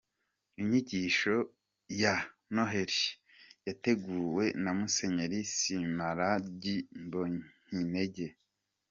Inyigisho ya Noheli yateguwe na Musenyeri Simaragidi Mbonyintege :.